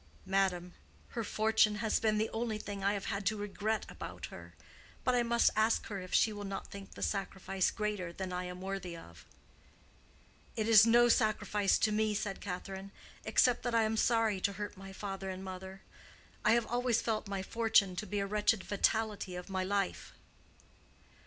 "Madam, her fortune has been the only thing I have had to regret about her. But I must ask her if she will not think the sacrifice greater than I am worthy of." "It is no sacrifice to me," said Catherine, "except that I am sorry to hurt my father and mother. I have always felt my fortune to be a wretched fatality of my life."